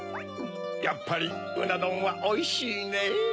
やっぱりうなどんはおいしいねぇ！